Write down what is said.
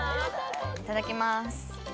いただきます。